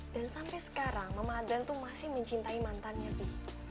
dan sampai sekarang mama adriana itu masih mencintai mantannya pi